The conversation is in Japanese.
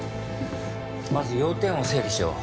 まず要点を整理しよう。